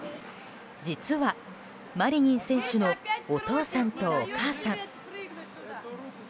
実は、マリニン選手のお父さんとお母さん。